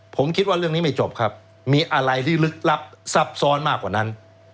ผมคิดว่าเรื่องนี้ไม่จบครับมีอะไรที่ลึกลับซับซ้อนมากกว่านั้น